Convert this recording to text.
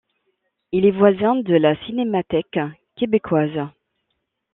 Il est voisin de la Cinémathèque québécoise.